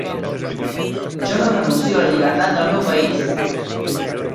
Jo no renuncio a la llibertat del meu país!